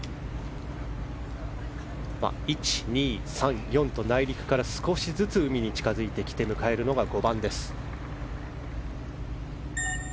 １、２、３、４と内陸から少しずつ海に近づいてきて迎えるのが５番です。